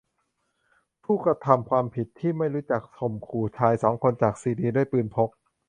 ผู้กระทำความผิดที่ไม่รู้จักข่มขู่ชายสองคนจากซีเรียด้วยปืนพก